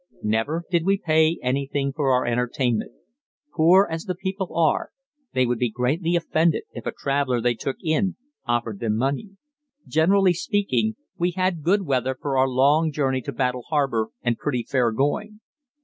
Never did we pay anything for our entertainment; poor as the people are, they would be greatly offended if a traveller they took in offered them money. Generally speaking, we had good weather for our long journey to Battle Harbour and pretty fair going.